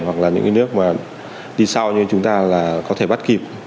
hoặc là những cái nước mà đi sau như chúng ta là có thể bắt kịp